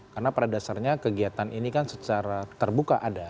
karena pada dasarnya kegiatan ini kan secara terbuka ada